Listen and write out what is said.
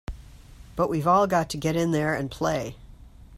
But we've all got to get in there and play!